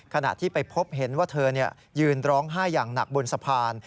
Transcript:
ขณะที่ไปพบเห็นว่าเธอยืนร้องไห้อย่างหนักบนสะพาน